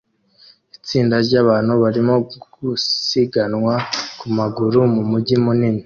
Itsinda ryabantu barimo gusiganwa ku maguru mu mujyi munini